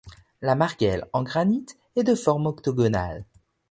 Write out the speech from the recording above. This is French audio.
La margelle en granit est de forme octogonale.